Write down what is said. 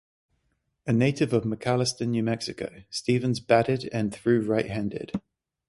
A native of McAlister, New Mexico, Stephens batted and threw right-handed.